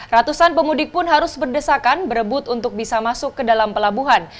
ratusan pemudik pun harus berdesakan berebut untuk bisa masuk ke dalam pelabuhan